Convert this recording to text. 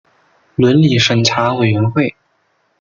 伦理审查委员会